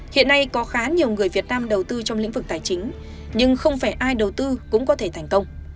hiện nay có khá nhiều người việt nam đầu tư trong lĩnh vực tài chính nhưng không phải ai đầu tư cũng có thể thành công